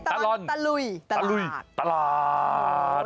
ตะล่อนตะลุยตลาด